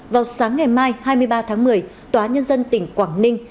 vào sáng ngày mai hai mươi ba tháng một mươi tòa nhân dân tỉnh quảng ninh